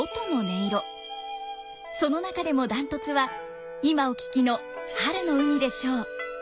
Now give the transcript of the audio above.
その中でもダントツは今お聴きの「春の海」でしょう。